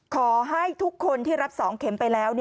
ขอให้ทุกคนที่รับ๒เข็มไปแล้ว